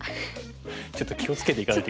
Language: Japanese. ちょっと気を付けていかないと。